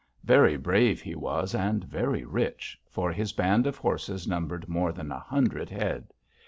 Very brave he was, and very rich, for his band of horses numbered more than a hundred head.